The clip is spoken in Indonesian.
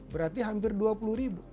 berarti hampir rp dua puluh